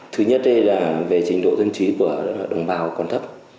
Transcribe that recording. thứ nhất là về trình độ dân trí của đồng bào còn thấp